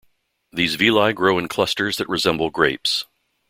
These villi grow in clusters that resemble grapes.